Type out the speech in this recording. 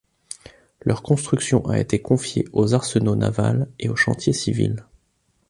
Leur construction a été confiée aux arsenaux navals et aux chantiers civils.